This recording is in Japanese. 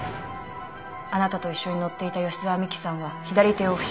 あなたと一緒に乗っていた吉沢未希さんは左手を負傷。